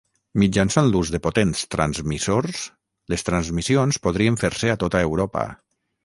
Mitjançant l'ús de potents transmissors, les transmissions podrien fer-se a tota Europa.